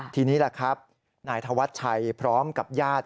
ทีนี้ล่ะครับนายธวัชชัยพร้อมกับญาติ